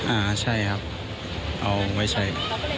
อ่าใช่ครับเอาไว้ใช้